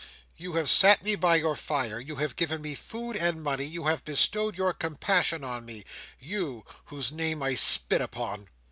"You have sat me by your fire; you have given me food and money; you have bestowed your compassion on me! You! whose name I spit upon!"